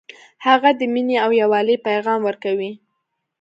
هغه د مینې او یووالي پیغام ورکوي